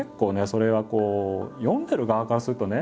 それはこう読んでる側からするとね